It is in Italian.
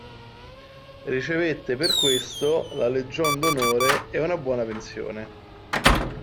Ricevette per questo la "Legion d'onore" e una buona pensione.